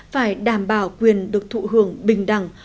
phải đảm bảo quyền được thụ hưởng bình đẳng